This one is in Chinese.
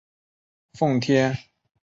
奉天农业试验场在这样的背景下成立。